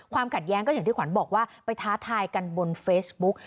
ขัดแย้งก็อย่างที่ขวัญบอกว่าไปท้าทายกันบนเฟซบุ๊ก